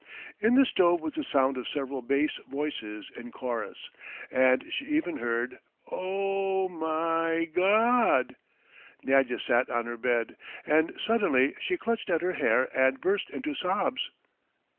In the stove was the sound of several bass voices in chorus, and she even heard "O o o my G o od!" Nadya sat on her bed, and suddenly she clutched at her hair and burst into sobs.